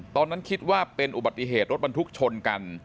ตอนนั้นคิดว่าเป็นอุบัติเหตุรถบรรทุกชนกัน